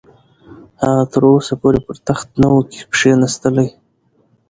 هغه تر اوسه پورې پر تخت نه وو کښېنستلی.